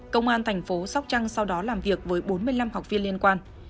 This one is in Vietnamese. công an thành phố sóc trăng sau đó làm việc với bốn mươi năm học viên liên quan